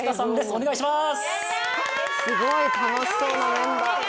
お願いします